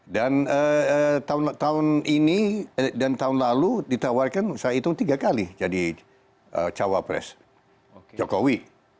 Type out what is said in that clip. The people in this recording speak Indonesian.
dan tahun ini dan tahun lalu ditawarkan saya hitung tiga kali jadi cawa press jokowi